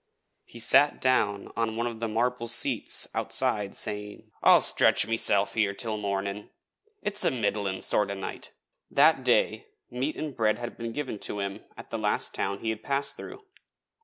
He sat down on one of the marble seats outside, saying: 'I'll stretch meself here till mornin', it's a middlin' sort of a night.' That day meat and bread had been given to him at the last town he had passed through.